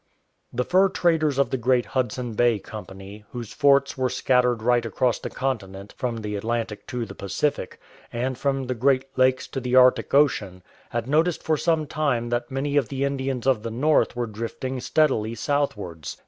The fur traders of the great Hudson Bay Company, whose forts were scattered right across the continent from the Atlantic to the Pacific, and from the Great Lakes to the Arctic Ocean, had noticed for some time that many of the Indians of the north were drifting steadily southwards.